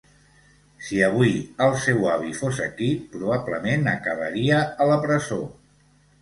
Si avui el seu avi fos aquí, probablement acabaria a la presó.